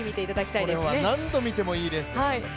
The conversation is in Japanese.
これは何度見てもいいレースですよ。